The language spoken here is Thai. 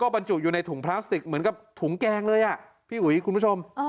บรรจุอยู่ในถุงพลาสติกเหมือนกับถุงแกงเลยอ่ะพี่อุ๋ยคุณผู้ชม